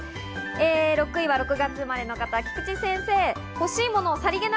６位は６月生まれの方、菊地先生。